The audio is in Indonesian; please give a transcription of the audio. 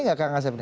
nggak kak ngasem